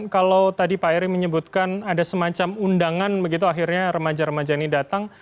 kalau tadi pak eri menyebutkan ada semacam undangan begitu akhirnya remaja remaja ini datang